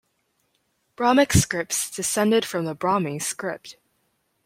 Brahmic scripts descended from the Brahmi script.